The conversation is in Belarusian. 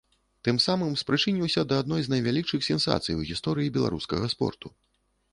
Тым самым спрычыніўся да адной з найвялікшых сенсацый у гісторыі беларускага спорту.